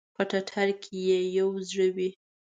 په ټټر کې ئې یو زړه وی